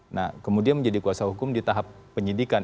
nah kemudian menjadi kuasa hukum di tahap penyidikan